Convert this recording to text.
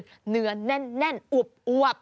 เนื้อนแน่นอุ๊บอ้วบ